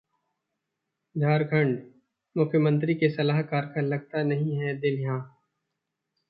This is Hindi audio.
झारखंड: मुख्यमंत्री के सलाहकार का लगता नहीं है दिल यहां